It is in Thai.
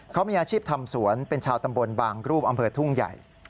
เขามีอาชีพทำสวนเป็นชาวตำบลบางรูปอำเภอทุ่งใหญ่